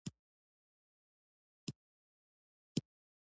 نیکه د خپلې کورنۍ لپاره یو بېلې لوبه لري.